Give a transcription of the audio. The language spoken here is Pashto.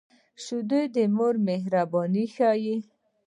شیدې د مور مهرباني ښيي